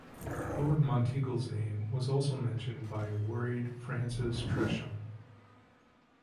Lord Monteagle's name was also mentioned, by a worried Francis Tresham.